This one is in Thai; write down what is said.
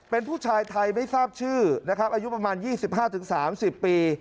เป็นผู้ชายไทยไม่ทราบชื่อนะครับอายุประมาณ๒๕๓๐ปี